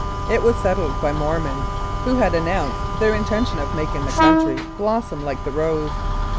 It was settled by Mormons, who had announced their in tention of making the country blossom like the rose.